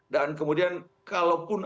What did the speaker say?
dan kemudian kalaupun